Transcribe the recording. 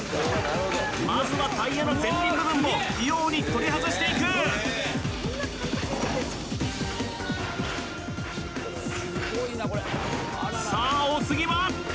まずはタイヤの前輪部分を器用に取り外していくさあお次は？